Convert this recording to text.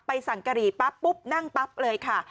สั่งกะหรี่ปั๊บปุ๊บนั่งปั๊บเลยค่ะ